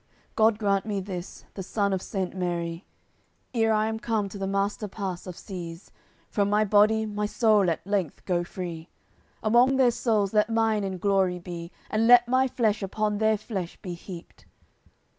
God grant me this, the Son of Saint Mary, Ere I am come to th' master pass of Size, From my body my soul at length go free! Among their souls let mine in glory be, And let my flesh upon their flesh be heaped."